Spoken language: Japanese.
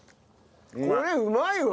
これうまいわ！